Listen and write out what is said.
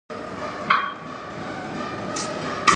Schuppan failed to qualify in France or Britain.